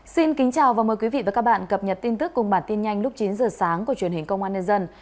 xin kính chào và mời quý vị và các bạn cập nhật tin tức cùng bản tin nhanh lúc chín giờ sáng của truyền hình công an nhân dân